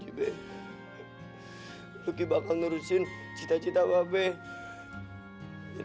mbak bebe masih hidup weh